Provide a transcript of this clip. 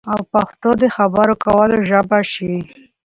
او پښتو د خبرو کولو ژبه شي